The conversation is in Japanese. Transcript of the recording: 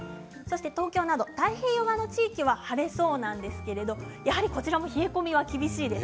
東京など、太平洋側の地域は晴れそうなんですけれどやはりこちらも冷え込みは厳しいです。